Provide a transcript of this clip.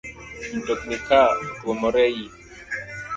Mtokni ka otuomore, l